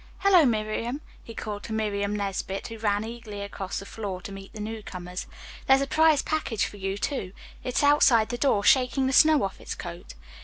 Hello, Miriam," he called to Miriam Nesbit, who ran eagerly across the floor to meet the newcomers. "There's a prize package for you, too. It's outside the door shaking the snow off its coat."